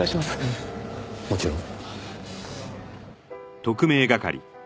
もちろん。